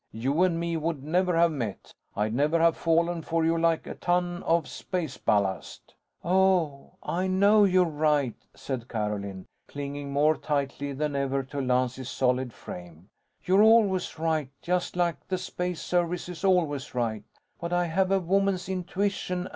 You and me would never have met. I'd never have fallen for you like a ton of space ballast." "Oh, I know you're right," said Carolyn, clinging more tightly than ever to Lance's solid frame. "You're always right, just like the Space Service is always right. But I have a woman's intuition.